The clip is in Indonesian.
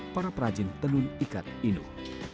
para perajin tenun ikat inuh